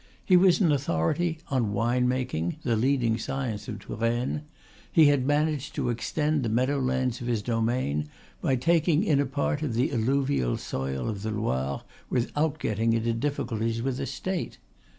He was an authority on wine making, the leading science of Touraine. He had managed to extend the meadow lands of his domain by taking in a part of the alluvial soil of the Loire without getting into difficulties with the State.